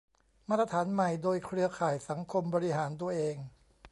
มาตรฐานใหม่โดย เครือข่ายสังคมบริหารตัวเอง